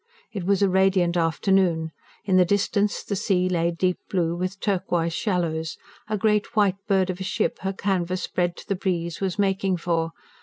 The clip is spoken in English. It was a radiant afternoon in the distance the sea lay deep blue, with turquoise shallows; a great white bird of a ship, her canvas spread to the breeze, was making for